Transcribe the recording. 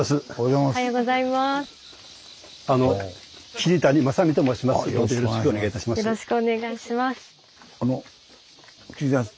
よろしくお願いします。